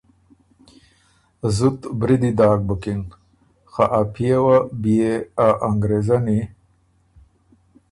زُت بریدی داک بُکِن خه ا پئے وه بيې ا انګرېزنی